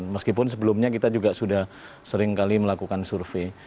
meskipun sebelumnya kita juga sudah seringkali melakukan survei